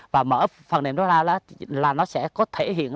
và mở phần mềm đó ra là nó sẽ có thể hiện